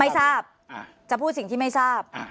ไม่ทราบจะพูดสิ่งที่ไม่ทราบ